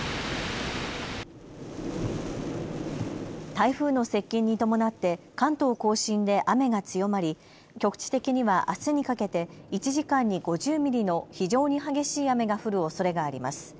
台風の接近に伴って関東甲信で雨が強まり局地的にはあすにかけて１時間に５０ミリの非常に激しい雨が降るおそれがあります。